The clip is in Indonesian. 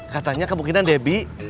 katanya kemungkinan debbie